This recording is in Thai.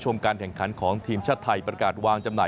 ส่วนอาการบาดเจ็บของธนบุญเกษารัฐที่มีอาการบาดเจ็บเล็กน้อย